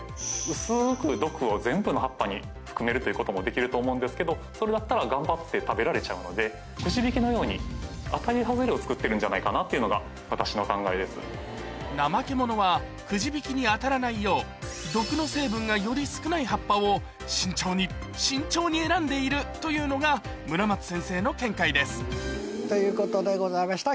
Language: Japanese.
薄く毒を全部の葉っぱに含めるということもできると思うんですけども、それだったら頑張って食べられちゃうので、くじ引きのように当たり外れを作ってるんじゃないかなっていうのナマケモノはくじ引きに当たらないよう、毒の成分がより少ない葉っぱを慎重に慎重に選んでいるというのが、村松先生の見解です。ということでございました。